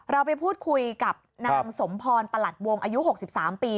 เราไปพูดคุยกับนางสมพรประหลัดวงอายุ๖๓ปี